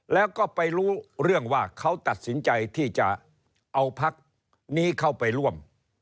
แล้วก็ไปรู้เรื่องว่าเขาตัดสินใจที่จะเอาพักนี้เข้าไปร่วม